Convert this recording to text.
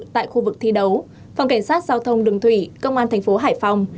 tại khu vực thi đấu phòng cảnh sát giao thông đường thủy công an tp hải phòng